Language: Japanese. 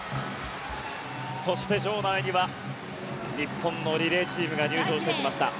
そして、場内には日本のリレーチームが入場してきました。